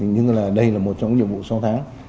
nhưng đây là một trong những nhiệm vụ sáu tháng